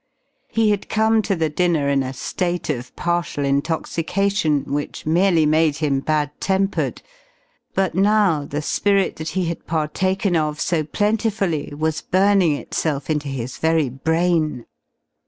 He had come to the dinner in a state of partial intoxication, which merely made him bad tempered, but now the spirits that he had partaken of so plentifully was burning itself into his very brain.